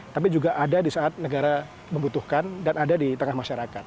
tapi juga ada di saat negara membutuhkan dan ada di tengah masyarakat